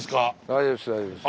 大丈夫です大丈夫です。